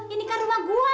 ini kan rumah gua